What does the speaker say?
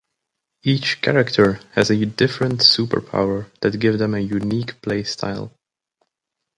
Each character has a different super power that give them a unique playstyle.